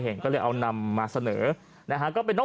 เฮ้ยหมาใครก็ไม่รู้